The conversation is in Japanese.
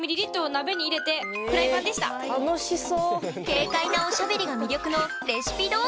軽快なおしゃべりが魅力の「レシピ動画」！